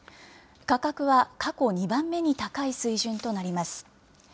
価格は過去２番目に高い水準となります。